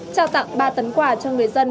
trao tặng ba tấn quà cho người dân